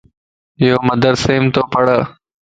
ايو مدرسيم تو پڙھه